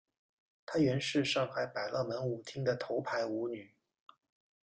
她原是上海百乐门舞厅的头牌舞女。